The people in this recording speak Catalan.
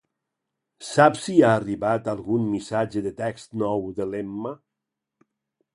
Saps si ha arribat algun missatge de text nou de l'Emma?